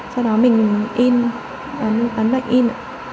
sau đó mình in bắn bạch in